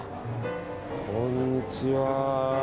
こんにちは。